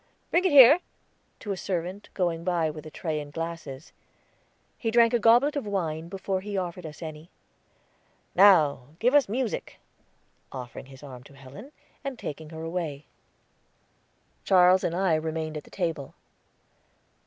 "Bring it here," to a servant going by with a tray and glasses. He drank a goblet of wine, before he offered us any. "Now give us music!" offering his arm to Helen, and taking her away. Charles and I remained at the table.